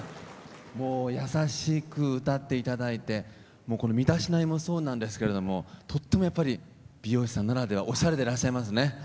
もう優しく歌っていただいてこの身だしなみもそうなんですけどもとっても、やっぱり美容師さんならではおしゃれでいらっしゃいますね。